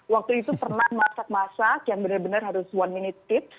waktu itu pernah masak masak yang benar benar harus one minute